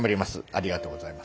ありがとうございます。